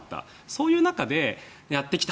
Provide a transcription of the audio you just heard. そういう中でやってきた。